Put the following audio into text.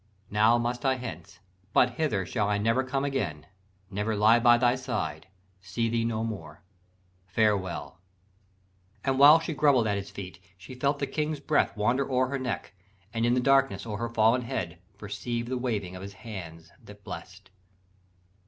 Now must I hence. ... But hither shall I never come again, Never lie by thy side: see thee no more Farewell!' And while she grovell'd at his feet, She felt the King's breath wander o'er her neck, And in the darkness o'er her fallen head Perceived the waving of his hands that blest.